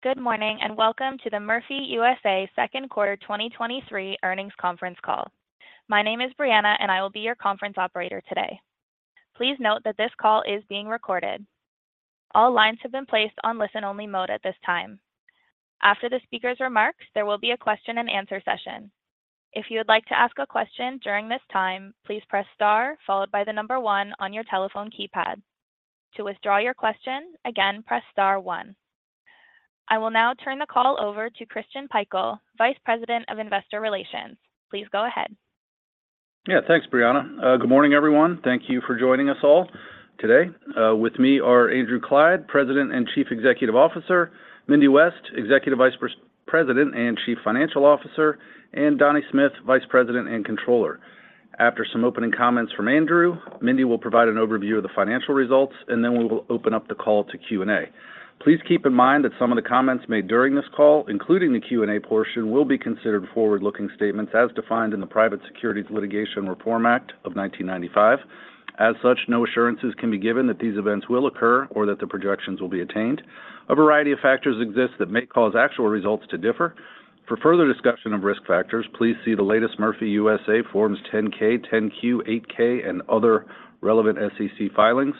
Good morning. Welcome to the Murphy USA second quarter 2023 earnings conference call. My name is Brianna, and I will be your conference operator today. Please note that this call is being recorded. All lines have been placed on listen-only mode at this time. After the speaker's remarks, there will be a question-and-answer session. If you would like to ask a question during this time, please press star followed by one on your telephone keypad. To withdraw your question, again, press star one. I will now turn the call over to Christian Pikul, Vice President of Investor Relations. Please go ahead. Yeah, thanks, Brianna. Good morning, everyone. Thank you for joining us all today. With me are Andrew Clyde, President and Chief Executive Officer, Mindy West, Executive Vice President and Chief Financial Officer, and Donnie Smith, Vice President and Controller. After some opening comments from Andrew, Mindy will provide an overview of the financial results, and then we will open up the call to Q&A. Please keep in mind that some of the comments made during this call, including the Q&A portion, will be considered forward-looking statements as defined in the Private Securities Litigation Reform Act of 1995. As such, no assurances can be given that these events will occur or that the projections will be attained. A variety of factors exist that may cause actual results to differ. For further discussion of risk factors, please see the latest Murphy USA Forms 10-K, 10-Q, 8-K, and other relevant SEC filings.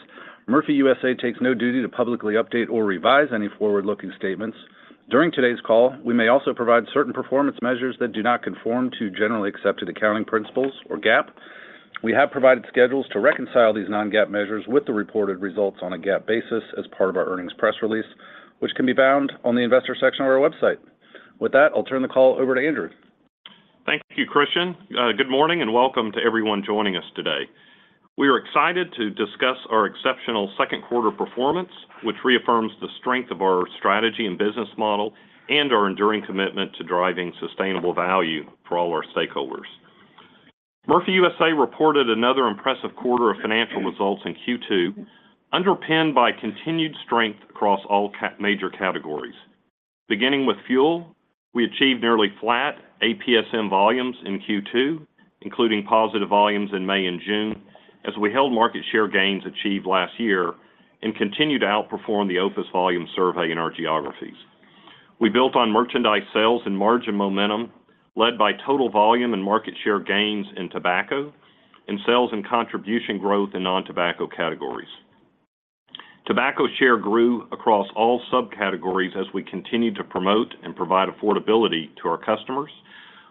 Murphy USA takes no duty to publicly update or revise any forward-looking statements. During today's call, we may also provide certain performance measures that do not conform to generally accepted accounting principles or GAAP. We have provided schedules to reconcile these non-GAAP measures with the reported results on a GAAP basis as part of our earnings press release, which can be found on the investor section of our website. With that, I'll turn the call over to Andrew. Thank you, Christian. Good morning, and welcome to everyone joining us today. We are excited to discuss our exceptional second quarter performance, which reaffirms the strength of our strategy and business model and our enduring commitment to driving sustainable value for all our stakeholders. Murphy USA reported another impressive quarter of financial results in Q2, underpinned by continued strength across all major categories. Beginning with fuel, we achieved nearly flat APSM volumes in Q2, including positive volumes in May and June, as we held market share gains achieved last year and continued to outperform the OPIS volume survey in our geographies. We built on merchandise sales and margin momentum, led by total volume and market share gains in tobacco, and sales and contribution growth in non-tobacco categories. Tobacco share grew across all subcategories as we continued to promote and provide affordability to our customers,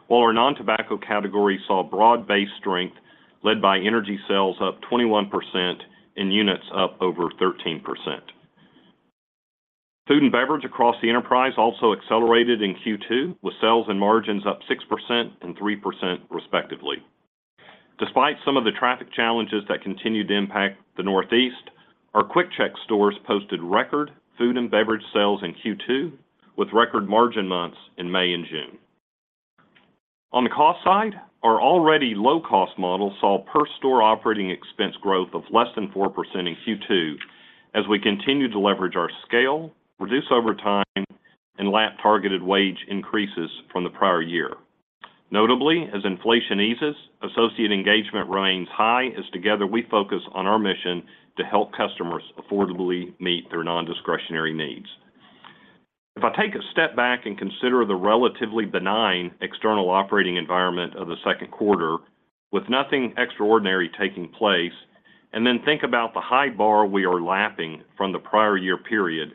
while our non-tobacco category saw broad-based strength, led by energy sales up 21% and units up over 13%. Food and beverage across the enterprise also accelerated in Q2, with sales and margins up 6% and 3%, respectively. Despite some of the traffic challenges that continued to impact the Northeast, our QuickChek stores posted record food and beverage sales in Q2, with record margin months in May and June. On the cost side, our already low-cost model saw per-store operating expense growth of less than 4% in Q2 as we continued to leverage our scale, reduce overtime, and lap targeted wage increases from the prior year. Notably, as inflation eases, associate engagement remains high as together we focus on our mission to help customers affordably meet their nondiscretionary needs. If I take a step back and consider the relatively benign external operating environment of the second quarter with nothing extraordinary taking place, then think about the high bar we are lapping from the prior year period,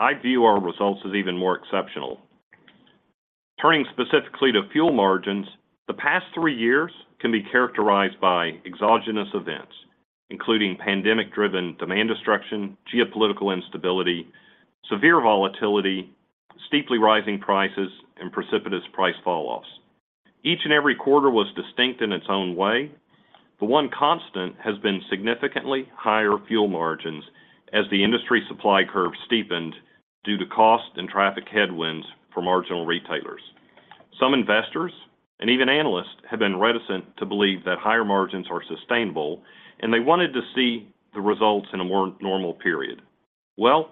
I view our results as even more exceptional. Turning specifically to fuel margins, the past three years can be characterized by exogenous events, including pandemic-driven demand destruction, geopolitical instability, severe volatility, steeply rising prices, and precipitous price falloffs. Each and every quarter was distinct in its own way. The one constant has been significantly higher fuel margins as the industry supply curve steepened due to cost and traffic headwinds for marginal retailers. Some investors and even analysts have been reticent to believe that higher margins are sustainable, and they wanted to see the results in a more normal period. Well,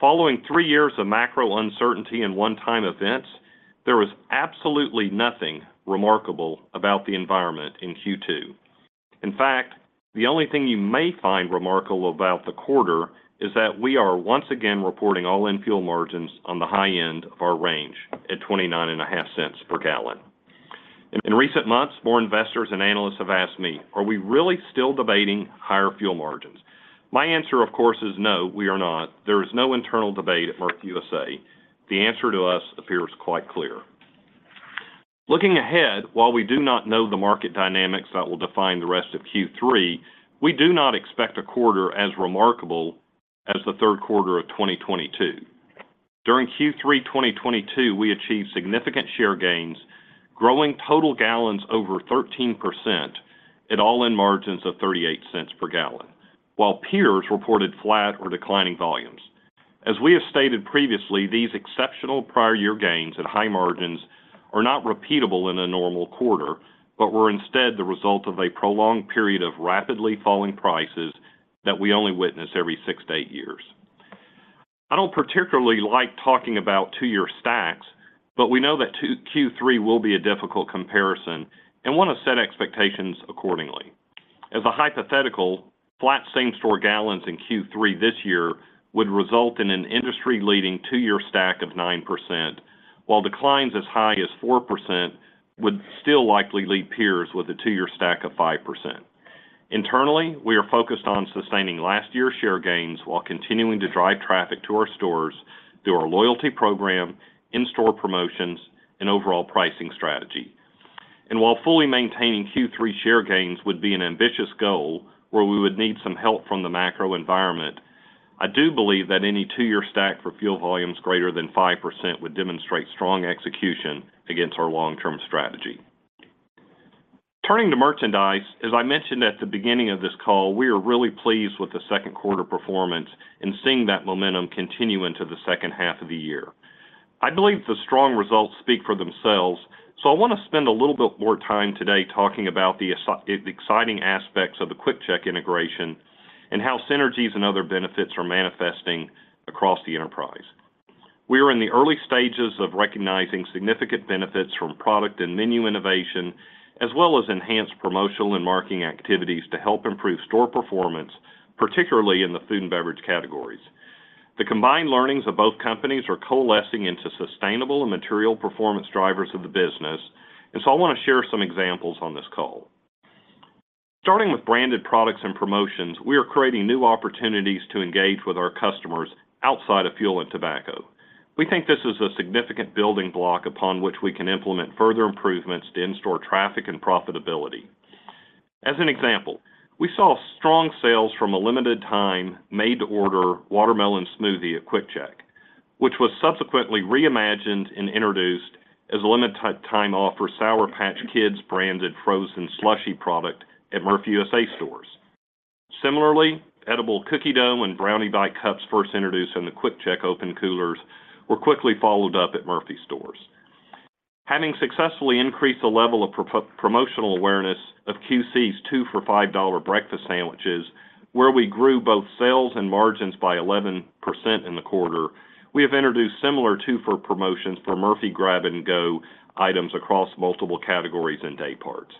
following three years of macro uncertainty and one-time events, there was absolutely nothing remarkable about the environment in Q2. In fact, the only thing you may find remarkable about the quarter is that we are once again reporting all-in fuel margins on the high end of our range at $0.295 per gallon. In recent months, more investors and analysts have asked me, "Are we really still debating higher fuel margins?" My answer, of course, is no, we are not. There is no internal debate at Murphy USA. The answer to us appears quite clear. Looking ahead, while we do not know the market dynamics that will define the rest of Q3, we do not expect a quarter as remarkable as the third quarter of 2022. During Q3 2022, we achieved significant share gains, growing total gallons over 13% at all-in margins of $0.38 per gallon, while peers reported flat or declining volumes. We have stated previously, these exceptional prior-year gains and high margins are not repeatable in a normal quarter, but were instead the result of a prolonged period of rapidly falling prices that we only witness every six, eight years. I don't particularly like talking about two-year stacks, we know that Q3 will be a difficult comparison and want to set expectations accordingly. A hypothetical, flat same-store gallons in Q3 this year would result in an industry-leading two-year stack of 9%, while declines as high as 4% would still likely lead peers with a two-year stack of 5%. Internally, we are focused on sustaining last year's share gains while continuing to drive traffic to our stores through our loyalty program, in-store promotions, and overall pricing strategy. While fully maintaining Q3 share gains would be an ambitious goal, where we would need some help from the macro environment, I do believe that any two-year stack for fuel volumes greater than 5% would demonstrate strong execution against our long-term strategy. Turning to merchandise, as I mentioned at the beginning of this call, we are really pleased with the second quarter performance and seeing that momentum continue into the second half of the year. I believe the strong results speak for themselves, so I want to spend a little bit more time today talking about the exciting aspects of the QuickChek integration and how synergies and other benefits are manifesting across the enterprise. We are in the early stages of recognizing significant benefits from product and menu innovation, as well as enhanced promotional and marketing activities to help improve store performance, particularly in the food and beverage categories. The combined learnings of both companies are coalescing into sustainable and material performance drivers of the business. So I want to share some examples on this call. Starting with branded products and promotions, we are creating new opportunities to engage with our customers outside of fuel and tobacco. We think this is a significant building block upon which we can implement further improvements to in-store traffic and profitability. As an example, we saw strong sales from a limited time, made-to-order watermelon smoothie at QuickChek, which was subsequently reimagined and introduced as a limited time offer, Sour Patch Kids branded frozen slushie product at Murphy USA stores. Similarly, edible cookie dough and brownie bite cups, first introduced in the QuickChek open coolers, were quickly followed up at Murphy stores. Having successfully increased the level of promotional awareness of QC's two for $5 breakfast sandwiches, where we grew both sales and margins by 11% in the quarter, we have introduced similar two for promotions for Murphy Grab & Go items across multiple categories and day parts.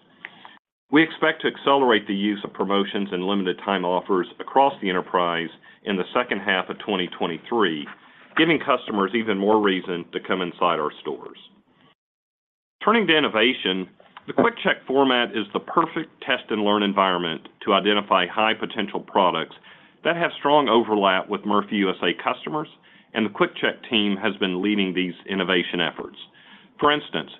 We expect to accelerate the use of promotions and limited time offers across the enterprise in the second half of 2023, giving customers even more reason to come inside our stores. Turning to innovation, the QuickChek format is the perfect test-and-learn environment to identify high-potential products that have strong overlap with Murphy USA customers. The QuickChek team has been leading these innovation efforts. For instance,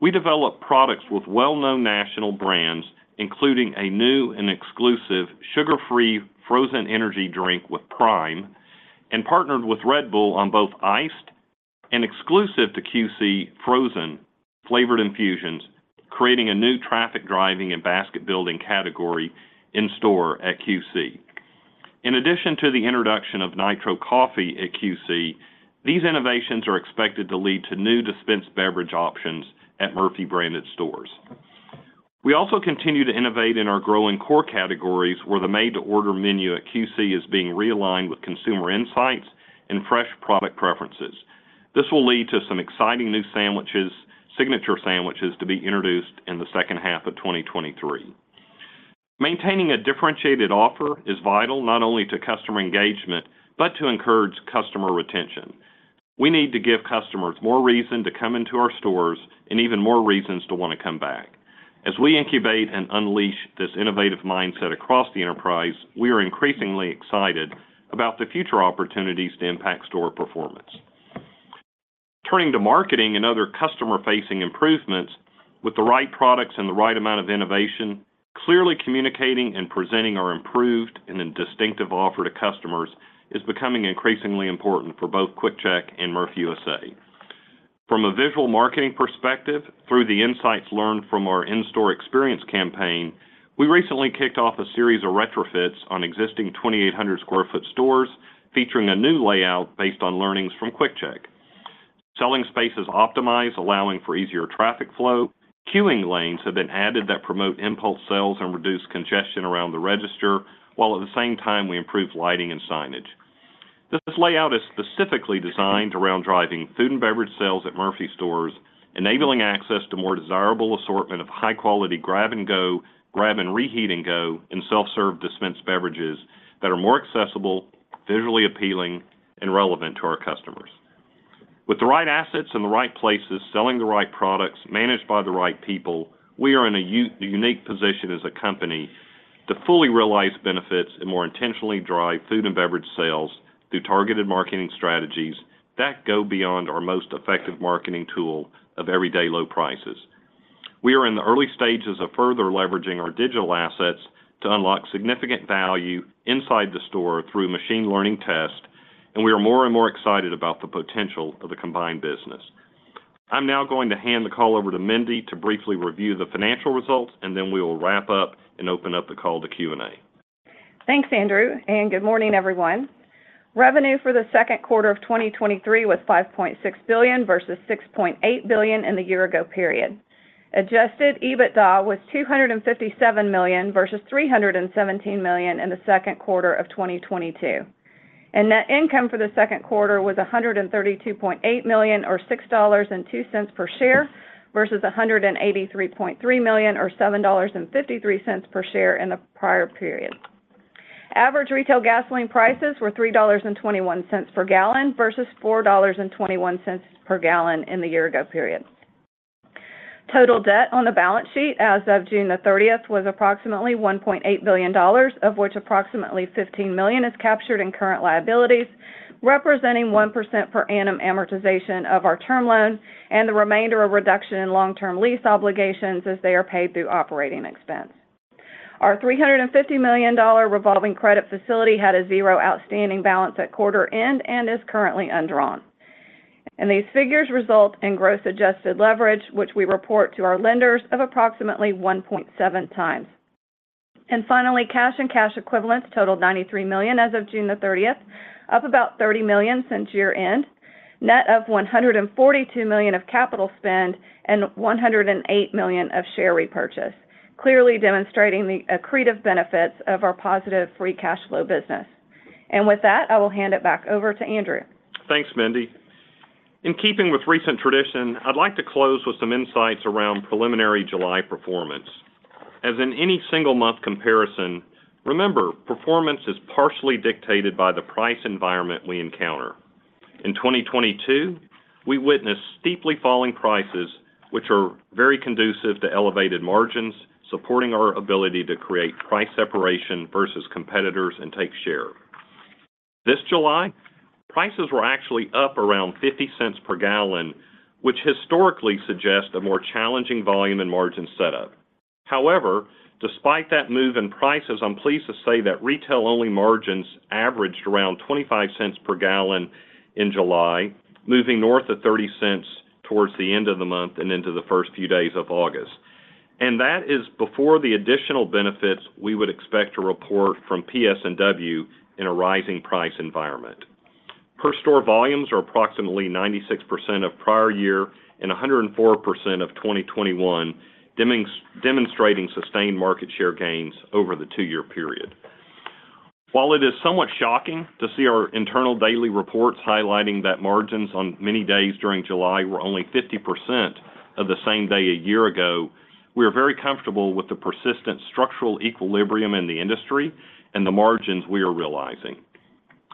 we developed products with well-known national brands, including a new and exclusive sugar-free frozen energy drink with PRIME, and partnered with Red Bull on both iced and exclusive to QC, frozen flavored infusions, creating a new traffic-driving and basket-building category in store at QC. In addition to the introduction of Nitro Coffee at QC, these innovations are expected to lead to new dispensed beverage options at Murphy-branded stores. We also continue to innovate in our growing core categories, where the made-to-order menu at QC is being realigned with consumer insights and fresh product preferences. This will lead to some exciting new sandwiches, signature sandwiches, to be introduced in the second half of 2023. Maintaining a differentiated offer is vital, not only to customer engagement, but to encourage customer retention. We need to give customers more reason to come into our stores and even more reasons to want to come back. As we incubate and unleash this innovative mindset across the enterprise, we are increasingly excited about the future opportunities to impact store performance. Turning to marketing and other customer-facing improvements, with the right products and the right amount of innovation, clearly communicating and presenting our improved and then distinctive offer to customers is becoming increasingly important for both QuickChek and Murphy USA. From a visual marketing perspective, through the insights learned from our in-store experience campaign, we recently kicked off a series of retrofits on existing 2,800 sq ft stores, featuring a new layout based on learnings from QuickChek. Selling space is optimized, allowing for easier traffic flow. Queuing lanes have been added that promote impulse sales and reduce congestion around the register, while at the same time, we improve lighting and signage. This layout is specifically designed around driving food and beverage sales at Murphy stores, enabling access to more desirable assortment of high-quality grab and go, grab and reheat and go, and self-serve dispensed beverages that are more accessible, visually appealing, and relevant to our customers. With the right assets in the right places, selling the right products, managed by the right people, we are in a unique position as a company to fully realize benefits and more intentionally drive food and beverage sales through targeted marketing strategies that go beyond our most effective marketing tool of everyday low prices. We are in the early stages of further leveraging our digital assets to unlock significant value inside the store through machine learning test, and we are more and more excited about the potential of the combined business. I'm now going to hand the call over to Mindy to briefly review the financial results, and then we will wrap up and open up the call to Q&A. Thanks, Andrew. Good morning, everyone. Revenue for the second quarter of 2023 was $5.6 billion versus $6.8 billion in the year ago period. Adjusted EBITDA was $257 million versus $317 million in the second quarter of 2022. Net income for the second quarter was $132.8 million, or $6.02 per share, versus $183.3 million, or $7.53 per share in the prior period. Average retail gasoline prices were $3.21 per gallon versus $4.21 per gallon in the year ago period. Total debt on the balance sheet as of June the 30th was approximately $1.8 billion, of which approximately $15 million is captured in current liabilities, representing 1% per annum amortization of our term loan and the remainder of reduction in long-term lease obligations as they are paid through operating expense. Our $350 million revolving credit facility had a zero outstanding balance at quarter end and is currently undrawn. These figures result in gross adjusted leverage, which we report to our lenders of approximately 1.7x. Finally, cash and cash equivalents totaled $93 million as of June the 30th, up about $30 million since year-end, net of $142 million of capital spend and $108 million of share repurchase, clearly demonstrating the accretive benefits of our positive free cash flow business. With that, I will hand it back over to Andrew. Thanks, Mindy. In keeping with recent tradition, I'd like to close with some insights around preliminary July performance. As in any single month comparison, remember, performance is partially dictated by the price environment we encounter. In 2022, we witnessed steeply falling prices, which are very conducive to elevated margins, supporting our ability to create price separation versus competitors and take share. This July, prices were actually up around $0.50 per gallon, which historically suggests a more challenging volume and margin setup. However, despite that move in prices, I'm pleased to say that retail-only margins averaged around $0.25 per gallon in July, moving north of $0.30 towards the end of the month and into the first few days of August. That is before the additional benefits we would expect to report from PS&W in a rising price environment. Per store volumes are approximately 96% of prior year and 104% of 2021, demonstrating sustained market share gains over the two-year period. While it is somewhat shocking to see our internal daily reports highlighting that margins on many days during July were only 50% of the same day a year ago, we are very comfortable with the persistent structural equilibrium in the industry and the margins we are realizing.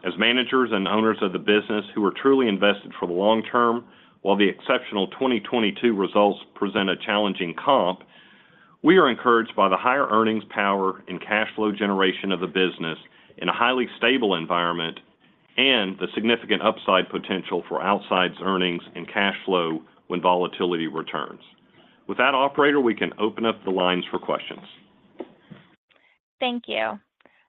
As managers and owners of the business who are truly invested for the long term, while the exceptional 2022 results present a challenging comp, we are encouraged by the higher earnings power and cash flow generation of the business in a highly stable environment, and the significant upside potential for outsides earnings and cash flow when volatility returns. With that, operator, we can open up the lines for questions. Thank you.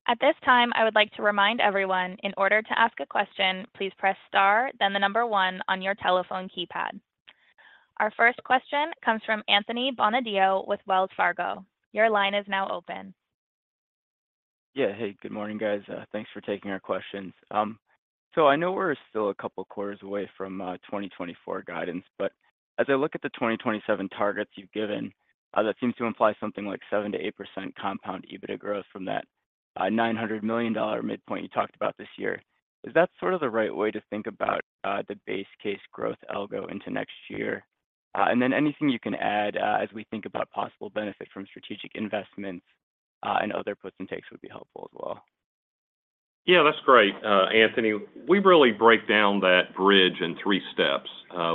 At this time, I would like to remind everyone, in order to ask a question, please press Star, then the number one on your telephone keypad. Our first question comes from Anthony Bonadio with Wells Fargo. Your line is now open. Yeah. Hey, good morning, guys. Thanks for taking our questions. I know we're still a couple quarters away from 2024 guidance, but as I look at the 2027 targets you've given, that seems to imply something like 7%-8% compound EBITDA growth from that $900 million midpoint you talked about this year. Is that sort of the right way to think about the base case growth algo into next year? Anything you can add as we think about possible benefit from strategic investments and other puts and takes would be helpful as well. Yeah, that's great. Anthony, we really break down that bridge in 3 steps.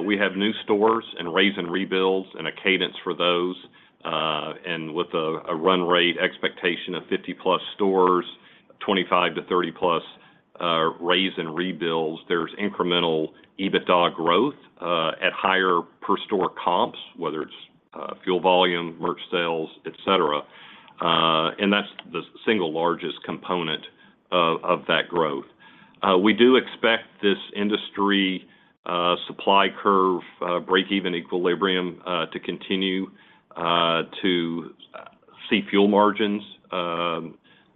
We have new stores and raze and rebuilds, and a cadence for those, and with a run rate expectation of 50+ stores, 25-30+ raze and rebuilds, there's incremental EBITDA growth at higher per store comps, whether it's fuel volume, merch sales, et cetera, and that's the single largest component of that growth. We do expect this industry supply curve break even equilibrium to continue to see fuel margins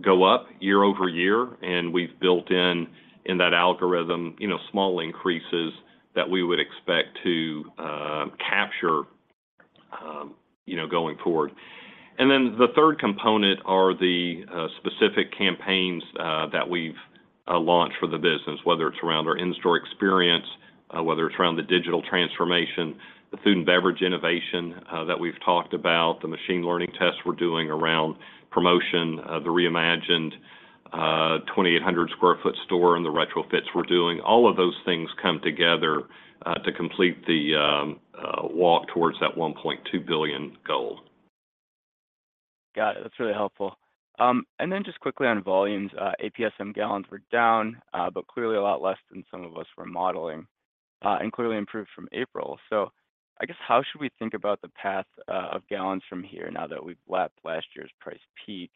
go up year-over-year. We've built in, in that algorithm, you know, small increases that we would expect to capture going forward. Then the third component are the specific campaigns that we've launched for the business, whether it's around our in-store experience, whether it's around the digital transformation, the food and beverage innovation that we've talked about, the machine learning tests we're doing around promotion, the reimagined 2,800 sq ft store, and the retrofits we're doing. All of those things come together to complete the walk towards that $1.2 billion goal. Got it. That's really helpful. Then just quickly on volumes, APSM gallons were down, but clearly a lot less than some of us were modeling, and clearly improved from April. I guess, how should we think about the path of gallons from here now that we've lapped last year's price peak?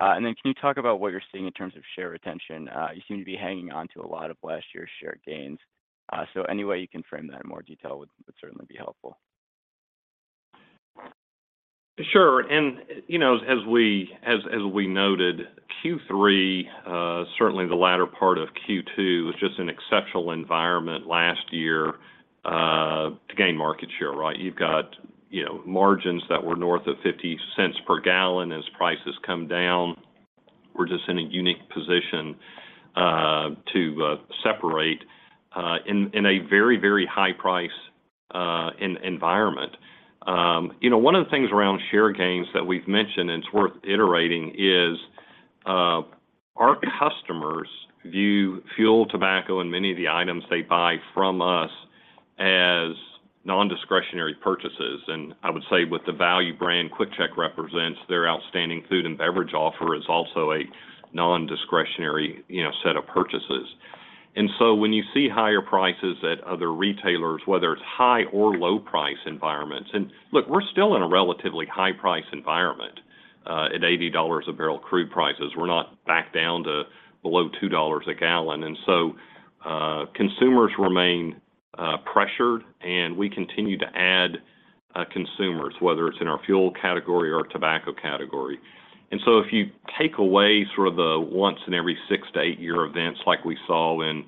Then can you talk about what you're seeing in terms of share retention? You seem to be hanging on to a lot of last year's share gains. Any way you can frame that in more detail would, would certainly be helpful. Sure. You know, as we, as, as we noted, Q3, certainly the latter part of Q2, was just an exceptional environment last year to gain market share, right? You've got, you know, margins that were north of $0.50 per gallon as prices come down. We're just in a unique position to separate in a very, very high price environment. You know, one of the things around share gains that we've mentioned, and it's worth iterating, is our customers view fuel, tobacco, and many of the items they buy from us as nondiscretionary purchases. I would say with the value brand QuickChek represents, their outstanding food and beverage offer is also a nondiscretionary, you know, set of purchases. When you see higher prices at other retailers, whether it's high or low price environments, and look, we're still in a relatively high price environment, at $80 a barrel crude prices. We're not back down to below $2 a gallon. Consumers remain pressured, and we continue to add consumers, whether it's in our fuel category or tobacco category. If you take away sort of the once in every six, eight year events, like we saw in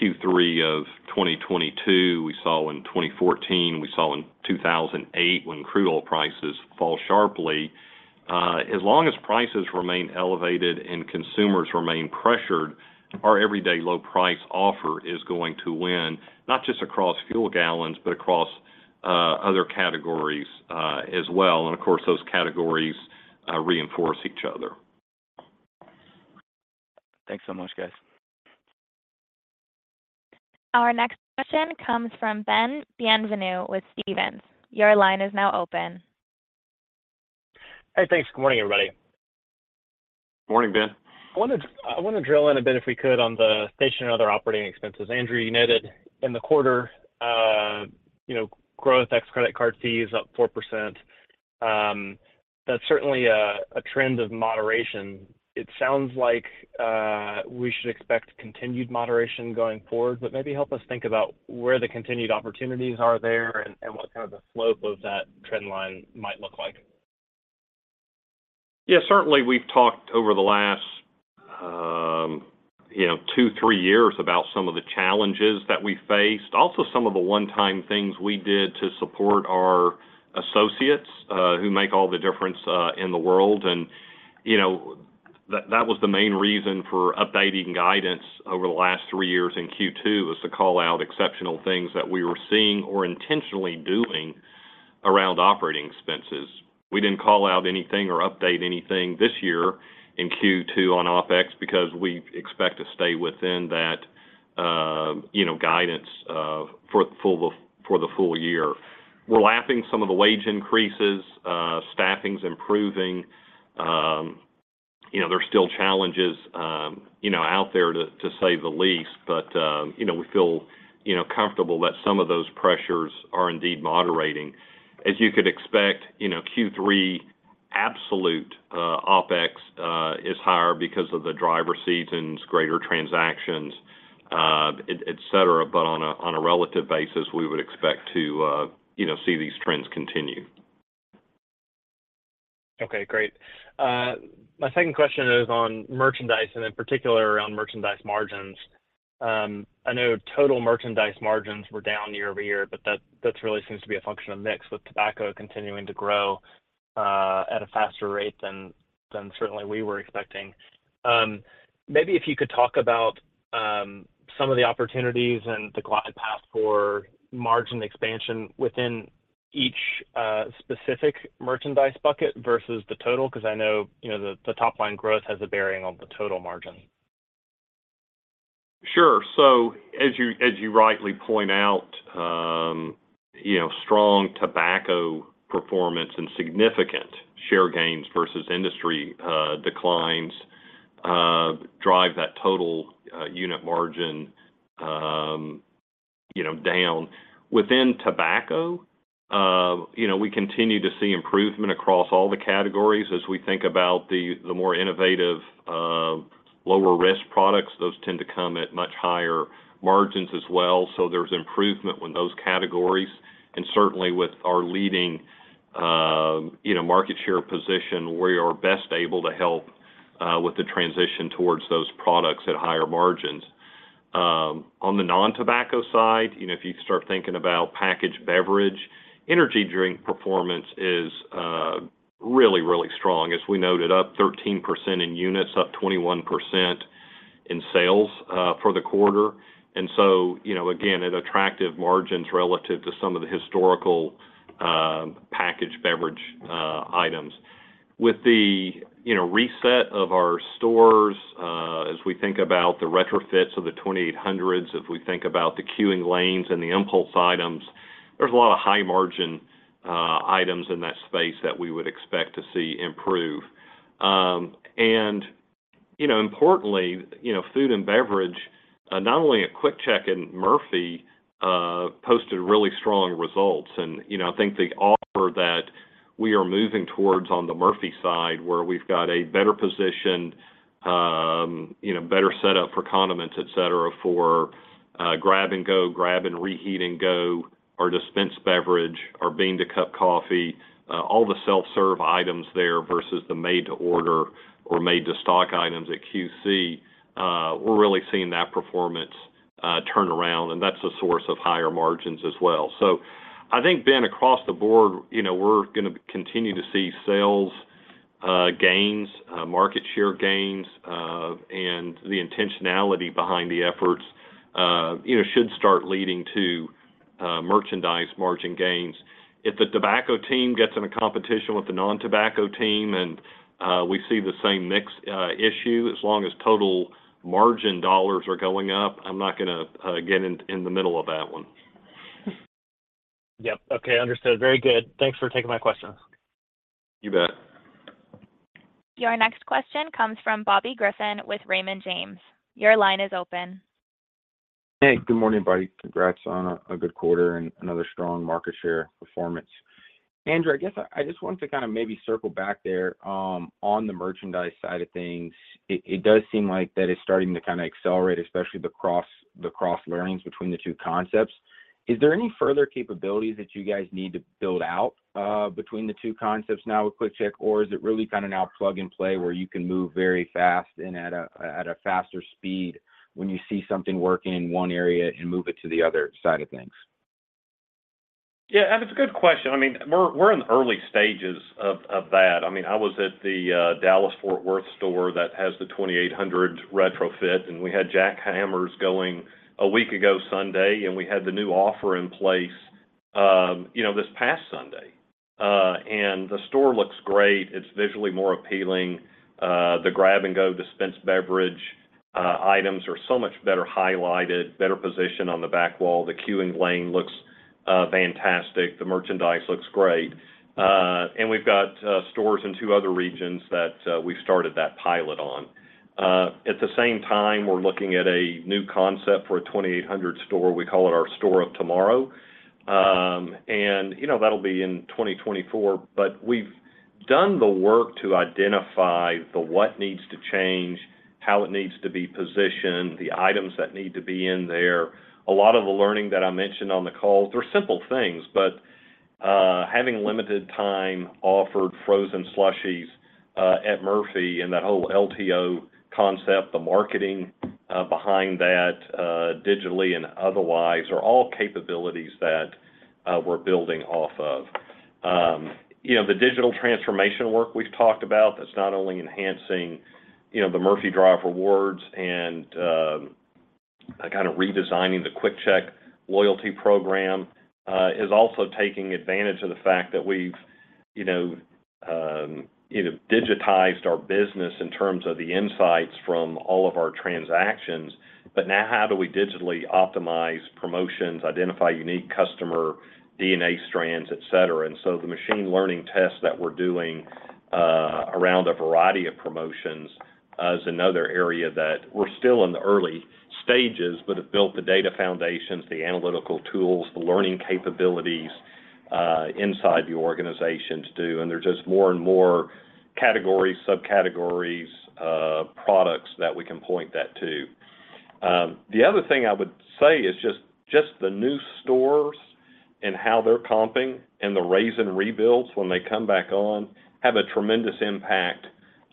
Q3 of 2022, we saw in 2014, we saw in 2008, when crude oil prices fall sharply, as long as prices remain elevated and consumers remain pressured, our everyday low price offer is going to win, not just across fuel gallons, but across other categories as well. Of course, those categories, reinforce each other. Thanks so much, guys. Our next question comes from Ben Bienvenu with Stephens. Your line is now open. Hey, thanks. Good morning, everybody. Morning, Ben. I want to drill in a bit, if we could, on the station and other operating expenses. Andrew, you noted in the quarter, you know, growth, ex credit card fees, up 4%. That's certainly a, a trend of moderation. It sounds like we should expect continued moderation going forward, but maybe help us think about where the continued opportunities are there and what kind of the slope of that trend line might look like. Yeah, certainly, we've talked over the last, you know, two, three years about some of the challenges that we faced, also some of the one-time things we did to support our associates, who make all the difference in the world. You know, that, that was the main reason for updating guidance over the last 3 years in Q2, was to call out exceptional things that we were seeing or intentionally doing around operating expenses. We didn't call out anything or update anything this year in Q2 on OpEx, because we expect to stay within that, you know, guidance for, for the, for the full year. We're lapping some of the wage increases, staffing's improving. You know, there are still challenges, you know, out there, to, to say the least, but, you know, we feel, you know, comfortable that some of those pressures are indeed moderating. As you could expect, you know, Q3 absolute, OpEx is higher because of the driver seats and greater transactions, et, et cetera, but on a, on a relative basis, we would expect to, you know, see these trends continue. Okay, great. My second question is on merchandise, and in particular, around merchandise margins. I know total merchandise margins were down year-over-year, but that, that really seems to be a function of mix, with tobacco continuing to grow, at a faster rate than, than certainly we were expecting. Maybe if you could talk about some of the opportunities and the glide path for margin expansion within each specific merchandise bucket versus the total, because I know, you know, the, the top line growth has a bearing on the total margin. Sure. As you, as you rightly point out, you know, strong tobacco performance and significant share gains versus industry declines drive that total unit margin, you know, down. Within tobacco, you know, we continue to see improvement across all the categories. As we think about the, the more innovative, lower-risk products, those tend to come at much higher margins as well. There's improvement with those categories, and certainly with our leading, you know, market share position, we are best able to help with the transition towards those products at higher margins. On the non-tobacco side, you know, if you start thinking about packaged beverage, energy drink performance is really, really strong. As we noted, up 13% in units, up 21% in sales for the quarter. You know, again, at attractive margins relative to some of the historical packaged beverage items. With the, you know, reset of our stores, as we think about the retrofits of the 2,800s, as we think about the queuing lanes and the impulse items, there's a lot of high-margin items in that space that we would expect to see improve. You know, importantly, you know, food and beverage, not only at QuickChek and Murphy, posted really strong results. You know, I think the offer that we are moving towards on the Murphy side, where we've got a better positioned, you know, better set up for condiments, et cetera, for grab and go, grab and reheat and go, our dispensed beverage, our bean to cup coffee, all the self-serve items there versus the made to order or made to stock items at QC, we're really seeing that performance turn around, and that's a source of higher margins as well. I think, Ben, across the board, you know, we're gonna continue to see sales-... gains, market share gains, and the intentionality behind the efforts, you know, should start leading to merchandise margin gains. If the tobacco team gets in a competition with the non-tobacco team, and we see the same mix issue, as long as total margin dollars are going up, I'm not gonna get in, in the middle of that one. Yep. Okay, understood. Very good. Thanks for taking my question. You bet. Your next question comes from Bobby Griffin with Raymond James. Your line is open. Hey, good morning, everybody. Congrats on a, a good quarter and another strong market share performance. Andrew, I guess I, I just wanted to kind of maybe circle back there, on the merchandise side of things. It, it does seem like that it's starting to kind of accelerate, especially the cross learnings between the two concepts. Is there any further capabilities that you guys need to build out, between the two concepts now with QuickChek? Or is it really kind of now plug and play, where you can move very fast and at a, at a faster speed when you see something working in one area and move it to the other side of things? Yeah, it's a good question. I mean, we're, we're in the early stages of, of that. I mean, I was at the Dallas-Fort Worth store that has the 2,800 retrofit, and we had Jack Hammers going a week ago Sunday, and we had the new offer in place, you know, this past Sunday. The store looks great. It's visually more appealing. The grab-and-go dispense beverage items are so much better highlighted, better positioned on the back wall. The queuing lane looks fantastic. The merchandise looks great. We've got stores in two other regions that we've started that pilot on. At the same time, we're looking at a new concept for a 2,800 store. We call it our Store of Tomorrow. You know, that'll be in 2024, but we've done the work to identify the what needs to change, how it needs to be positioned, the items that need to be in there. A lot of the learning that I mentioned on the call, they're simple things, but having limited time offered frozen slushies at Murphy and that whole LTO concept, the marketing behind that, digitally and otherwise, are all capabilities that we're building off of. You know, the digital transformation work we've talked about, that's not only enhancing, you know, the Murphy Drive Rewards and, kind of redesigning the QuickChek loyalty program, is also taking advantage of the fact that we've, you know, digitized our business in terms of the insights from all of our transactions. Now, how do we digitally optimize promotions, identify unique customer DNA strands, et cetera? The machine learning tests that we're doing around a variety of promotions is another area that we're still in the early stages, but have built the data foundations, the analytical tools, the learning capabilities inside the organization to do. There are just more and more categories, subcategories, products that we can point that to. The other thing I would say is just, just the new stores and how they're comping and the raise and rebuilds when they come back on, have a tremendous impact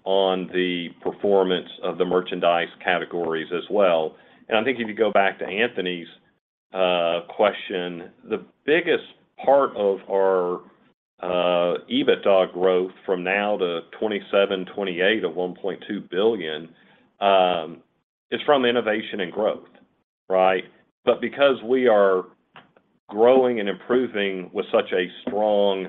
on the performance of the merchandise categories as well. I think if you go back to Anthony's question, the biggest part of our EBITDA growth from now to 2027, 2028 of $1.2 billion is from innovation and growth, right? Because we are growing and improving with such a strong,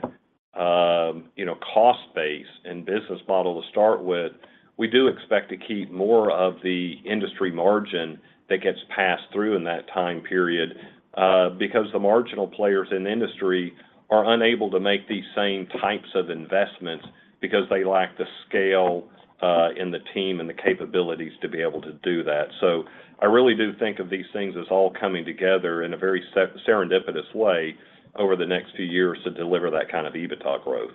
you know, cost base and business model to start with, we do expect to keep more of the industry margin that gets passed through in that time period, because the marginal players in the industry are unable to make these same types of investments because they lack the scale, and the team, and the capabilities to be able to do that. I really do think of these things as all coming together in a very serendipitous way over the next few years to deliver that kind of EBITDA growth.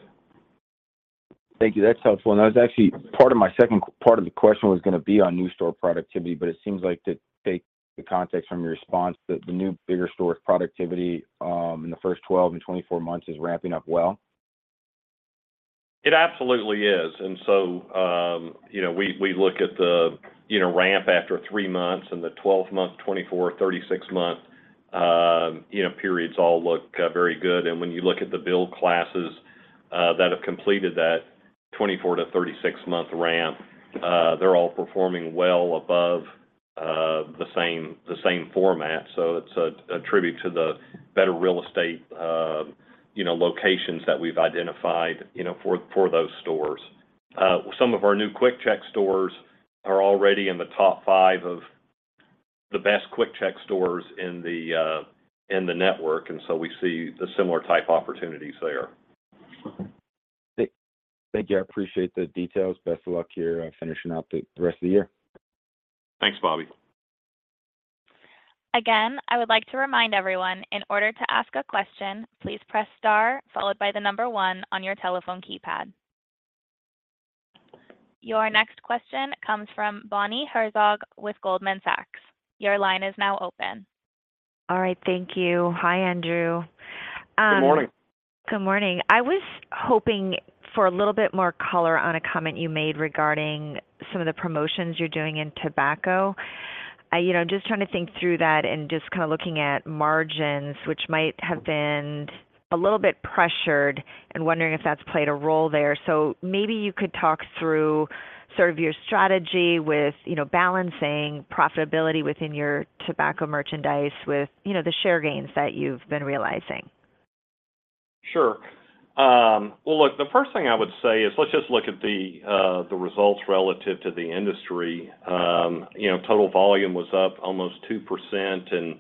Thank you. That's helpful, and that was actually part of my second-- part of the question was gonna be on new store productivity, but it seems like, to take the context from your response, that the new bigger stores' productivity, in the first 12 and 24 months is ramping up well? It absolutely is. We, we look at the ramp after three months, and the 12th month, 24, 36 month periods all look very good. When you look at the build classes that have completed that 24 to 36-month ramp, they're all performing well above the same, the same format. It's a tribute to the better real estate locations that we've identified for, for those stores. Some of our new QuickChek stores are already in the top five of the best QuickChek stores in the network, and so we see the similar type opportunities there. Thank you. I appreciate the details. Best of luck here on finishing out the rest of the year. Thanks, Bobby. Again, I would like to remind everyone, in order to ask a question, please press star followed by the number one on your telephone keypad. Your next question comes from Bonnie Herzog with Goldman Sachs. Your line is now open. All right, thank you. Hi, Andrew. Good morning. Good morning. I was hoping for a little bit more color on a comment you made regarding some of the promotions you're doing in tobacco. I, you know, I'm just trying to think through that and just kind of looking at margins, which might have been a little bit pressured and wondering if that's played a role there. Maybe you could talk through sort of your strategy with, you know, balancing profitability within your tobacco merchandise with, you know, the share gains that you've been realizing. Sure. Well, look, the first thing I would say is let's just look at the results relative to the industry. You know, total volume was up almost 2%.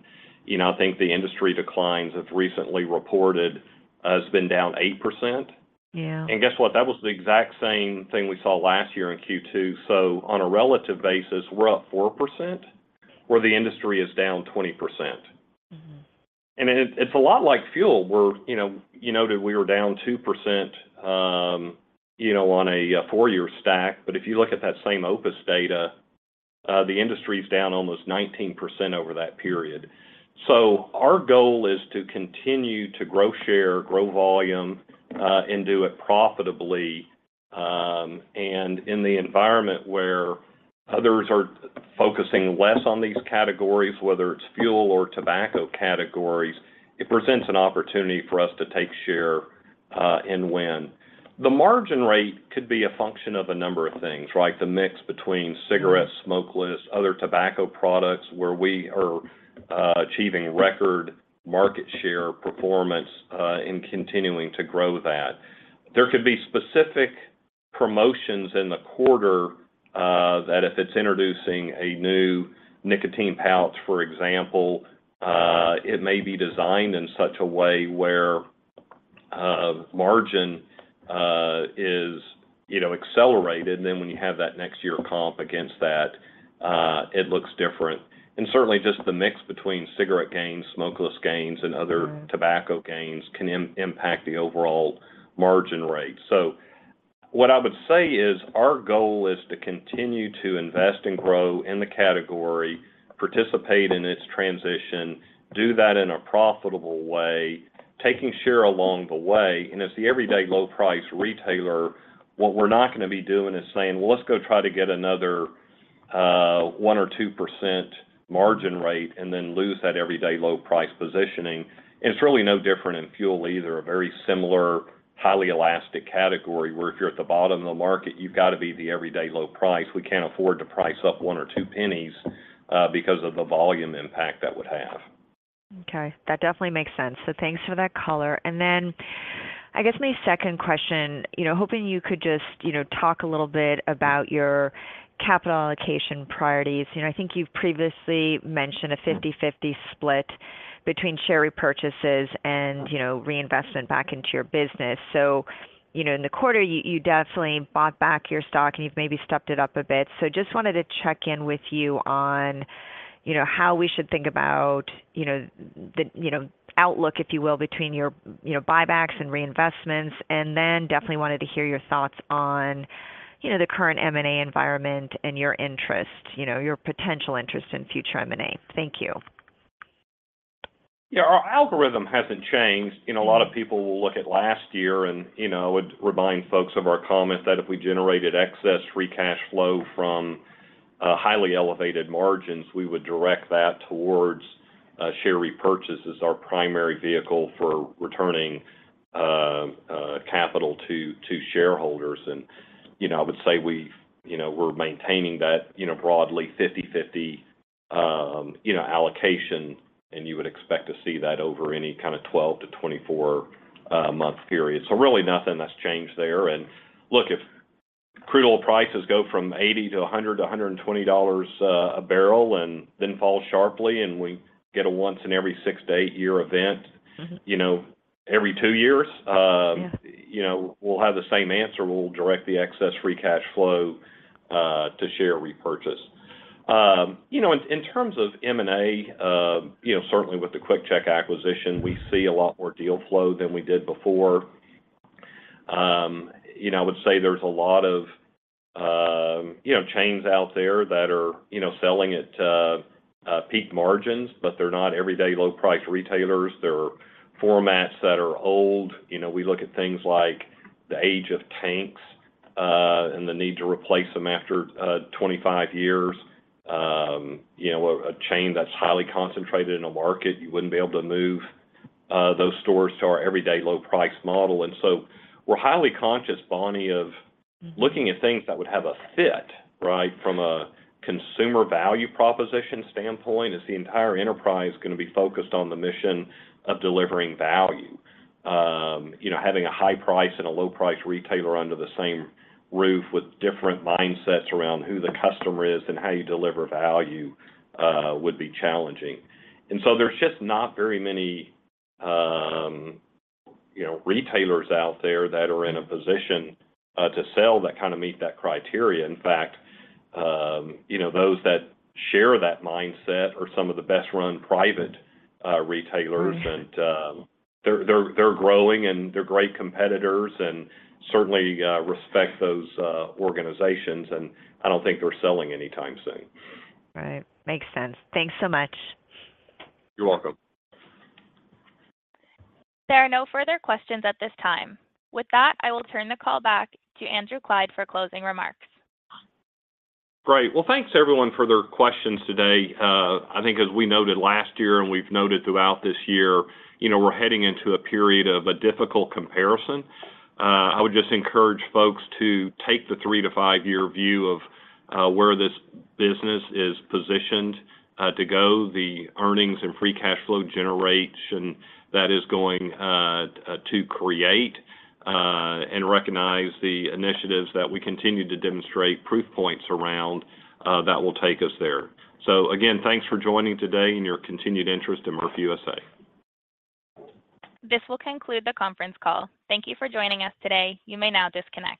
You know, I think the industry declines have recently reported, it's been down 8%. Yeah. Guess what? That was the exact same thing we saw last year in Q2. On a relative basis, we're up 4%, where the industry is down 20%. Mm-hmm. It, it's a lot like fuel. We're... You know, you noted we were down 2%, you know, on a four-year stack, but if you look at that same OPIS data, the industry's down almost 19% over that period. Our goal is to continue to grow share, grow volume, and do it profitably. In the environment where others are focusing less on these categories, whether it's fuel or tobacco categories, it presents an opportunity for us to take share and win. The margin rate could be a function of a number of things, like the mix between- Mm.... cigarettes, smokeless, other tobacco products, where we are achieving record market share performance and continuing to grow that. There could be specific promotions in the quarter that if it's introducing a new nicotine pouch, for example, it may be designed in such a way where margin is, you know, accelerated, and then when you have that next year comp against that, it looks different. And certainly, just the mix between cigarette gains, smokeless gains, and other- Mm.... tobacco gains can impact the overall margin rate. What I would say is, our goal is to continue to invest and grow in the category, participate in its transition, do that in a profitable way, taking share along the way. As the everyday low price retailer, what we're not gonna be doing is saying, "Well, let's go try to get another, 1% or 2% margin rate and then lose that everyday low price positioning." It's really no different in fuel either, a very similar, highly elastic category, where if you're at the bottom of the market, you've got to be the everyday low price. We can't afford to price up one or two pennies because of the volume impact that would have. Okay, that definitely makes sense. Thanks for that color. Then, I guess my second question, you know, hoping you could just, you know, talk a little bit about your capital allocation priorities. You know, I think you've previously mentioned a 50/50 split between share repurchases and, you know, reinvestment back into your business. You know, in the quarter, you, you definitely bought back your stock, and you've maybe stepped it up a bit. Just wanted to check in with you on, you know, how we should think about, you know, the, you know, outlook, if you will, between your, you know, buybacks and reinvestments. Then definitely wanted to hear your thoughts on, you know, the current M&A environment and your interest, you know, your potential interest in future M&A. Thank you. Yeah, our algorithm hasn't changed. You know, a lot of people will look at last year and, you know, I would remind folks of our comment that if we generated excess free cash flow from highly elevated margins, we would direct that towards share repurchases, our primary vehicle for returning capital to shareholders. You know, I would say we've-- you know, we're maintaining that, you know, broadly 50/50, you know, allocation, and you would expect to see that over any kind of 12-24 month period. Really nothing has changed there. Look, if crude oil prices go from $80 to $100 to $120 a barrel and then fall sharply, and we get a once in every 6-8 year event- Mm-hmm.... you know, every 2 years. Yeah.... you know, we'll have the same answer. We'll direct the excess free cash flow to share repurchase. You know, in, in terms of M&A, you know, certainly with the QuickChek acquisition, we see a lot more deal flow than we did before. You know, I would say there's a lot of, you know, chains out there that are, you know, selling at peak margins, but they're not everyday low price retailers. They're formats that are old. You know, we look at things like the age of tanks and the need to replace them after 25 years. You know, a, a chain that's highly concentrated in a market, you wouldn't be able to move those stores to our everyday low price model. We're highly conscious, Bonnie, of- Mm. looking at things that would have a fit, right? From a consumer value proposition standpoint, is the entire enterprise gonna be focused on the mission of delivering value? You know, having a high price and a low price retailer under the same roof with different mindsets around who the customer is and how you deliver value, would be challenging. So there's just not very many, you know, retailers out there that are in a position, to sell that kind of meet that criteria. In fact, you know, those that share that mindset are some of the best-run private, retailers. Mm. They're, they're, they're growing, and they're great competitors and certainly, respect those, organizations, and I don't think they're selling anytime soon. Right. Makes sense. Thanks so much. You're welcome. There are no further questions at this time. With that, I will turn the call back to Andrew Clyde for closing remarks. Great. Well, thanks, everyone, for their questions today. I think as we noted last year, and we've noted throughout this year, you know, we're heading into a period of a difficult comparison. I would just encourage folks to take the three to five-year view of where this business is positioned to go, the earnings and free cash flow generation that is going to create, and recognize the initiatives that we continue to demonstrate proof points around that will take us there. Again, thanks for joining today and your continued interest in Murphy USA. This will conclude the conference call. Thank You for joining us today. You may now disconnect.